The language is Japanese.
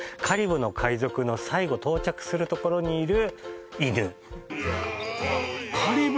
カリブの海賊の最後到着するとこに犬いた？